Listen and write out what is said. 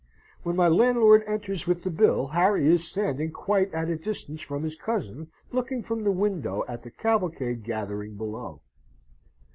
When my landlord enters with the bill, Harry is standing quite at a distance from his cousin, looking from the window at the cavalcade gathering below.